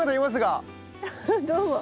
どうも。